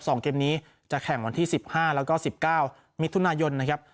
สองเกมนี้จะแข่งวันที่๑๕แล้วก็๑๙มิถุนายนนะครับ